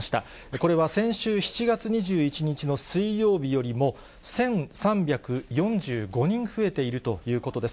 これは先週７月２１日の水曜日よりも１３４５人増えているということです。